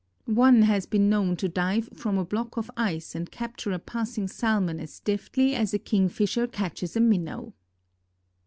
One has been known to dive from a block of ice and capture a passing salmon as deftly as a kingfisher catches a minnow.